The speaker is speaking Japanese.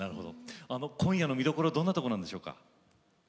今夜の見どころどんなとこなんでしょうか？